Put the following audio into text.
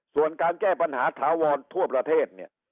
ส่วนการแก้ปัญหาถาวรทั่วประเทศเนี่ย